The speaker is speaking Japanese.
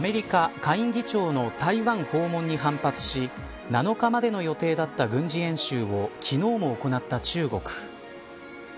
アメリカ下院議長の台湾訪問に反発し７日までの予定だった軍事演習を昨日も行った中国。